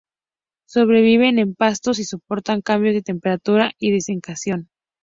Sobreviven en pastos y soportan cambios de temperatura y desecación.